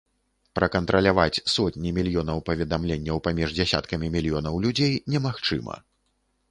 Пракантраляваць сотні мільёнаў паведамленняў паміж дзясяткамі мільёнаў людзей немагчыма.